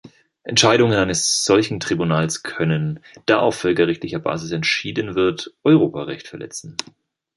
Entscheidungen eines solchen Tribunals können, da auf völkerrechtlicher Basis entschieden wird, Europarecht verletzen.